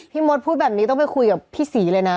มดพูดแบบนี้ต้องไปคุยกับพี่ศรีเลยนะ